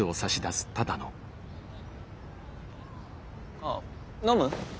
あっ飲む？